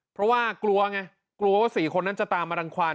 เพราะว่ากลัวไงกลัวว่า๔คนนั้นจะตามมารังความ